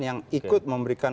yang ikut memberikan